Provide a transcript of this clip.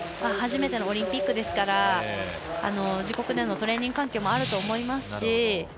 初めてのオリンピックですから自国でのトレーニング環境もあると思いますし。